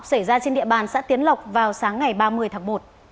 xảy ra trên địa bàn xã tiến lộc vào sáng ngày ba mươi tháng một